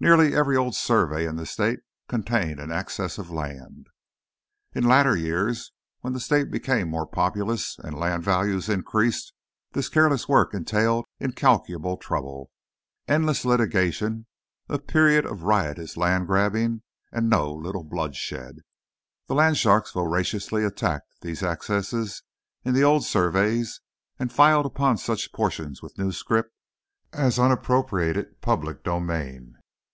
Nearly every old survey in the state contained an excess of land. In later years, when the state became more populous, and land values increased, this careless work entailed incalculable trouble, endless litigation, a period of riotous land grabbing, and no little bloodshed. The land sharks voraciously attacked these excesses in the old surveys, and filed upon such portions with new scrip as unappropriated public domain.